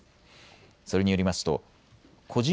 それによりますと個人